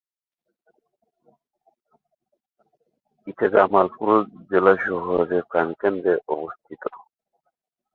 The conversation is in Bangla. এটি জামালপুর জেলা শহরের প্রাণকেন্দ্রে অবস্থিত।